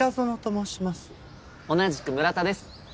同じく村田です。